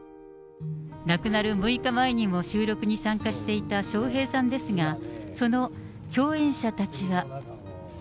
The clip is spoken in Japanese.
亡くなる６日前にも収録に参加していた笑瓶さんですが、その共演者たちは。